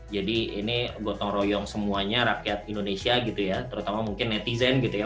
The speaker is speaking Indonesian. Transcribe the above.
jadi ini gotong royong semuanya rakyat indonesia gitu ya terutama mungkin netizen gitu ya